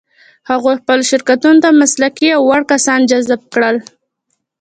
هغوی خپلو شرکتونو ته مسلکي او وړ کسان جذب کړل.